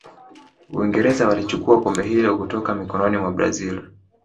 uingereza walichukua kombe hilo kutoka mikononi mwa brazil